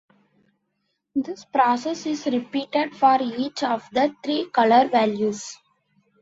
This process is repeated for each of the three color values.